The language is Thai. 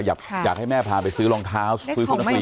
อยากให้แม่พาไปซื้อรองเท้าซื้อชุดนักเรียน